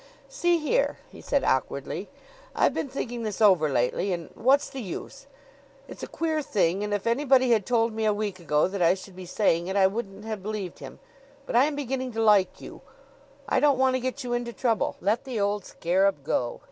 "See here," he said awkwardly; "I've been thinking this over lately and what's the use? It's a queer thing; and if anybody had told me a week ago that I should be saying it I wouldn't have believed him; but I am beginning to like you. I don't want to get you into trouble. Let the old scarab go.